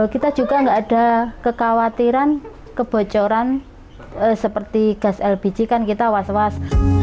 kita juga nggak ada kekhawatiran kebocoran seperti gas lpg kan kita was was